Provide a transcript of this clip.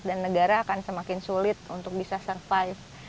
dan negara akan semakin sulit untuk bisa survive